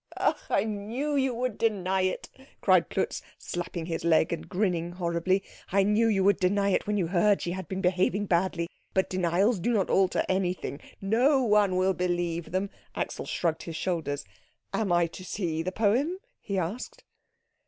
"Ach I knew you would deny it," cried Klutz, slapping his leg and grinning horribly. "I knew you would deny it when you heard she had been behaving badly. But denials do not alter anything no one will believe them " Axel shrugged his shoulders. "Am I to see the poem?" he asked.